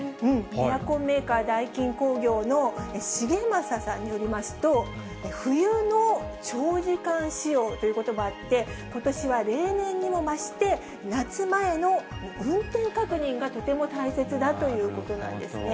エアコンメーカー、ダイキン工業の重政さんによりますと、冬の長時間使用ということもあって、ことしは例年にも増して、夏前の運転確認がとても大切だということなんですね。